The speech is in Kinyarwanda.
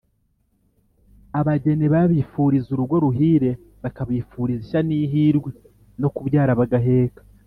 Abageni babifuriza urugo ruhire bakabifuriza ishya n’ihirwe no kubyara bagaheka